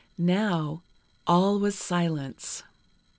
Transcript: Now, all was silence.